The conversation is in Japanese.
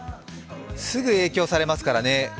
すぐ影響されますからね。